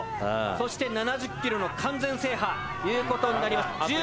そして７０ｋｍの完全制覇という事になります。